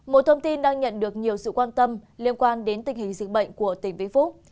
một thông tin đang nhận được nhiều sự quan tâm liên quan đến tình hình dịch bệnh của tỉnh vĩnh phúc